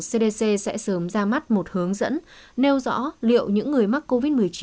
cdc sẽ sớm ra mắt một hướng dẫn nêu rõ liệu những người mắc covid một mươi chín